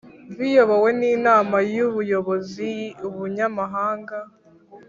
Biyobowe n inama y ubuyobozi ubunyamabanga